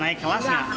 naik kelas nggak